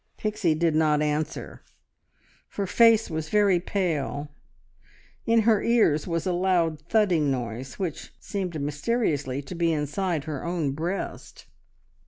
Pixie did not answer. Her face was very pale; in her ears was a loud thudding noise, which seemed mysteriously to be inside her own breast.